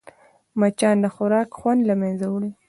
مچان د خوراک خوند له منځه وړي